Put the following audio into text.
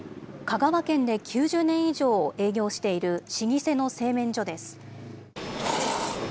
香川県で９０年以上営業している老舗の製麺所です。